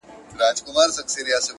لا پخپله هم د بار په منځ کي سپور وو.!